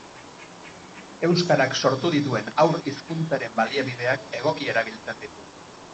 Euskarak sortu dituen haur hizkuntzaren baliabideak egoki erabiltzen ditu.